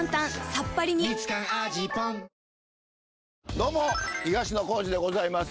どうも東野幸治でございます。